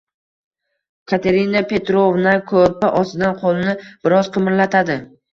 Katerina Petrovna koʻrpa ostidan qoʻlini biroz qimirlatadi.